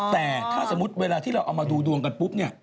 แต่ถ้าสมมุติเวลาที่เราเอามาดูดวงกันปุ๊บเนี่ย